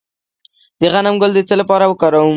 د غنم ګل د څه لپاره وکاروم؟